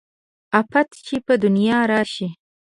افت چې په دنيا راشي